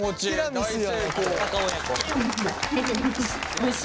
おいしい。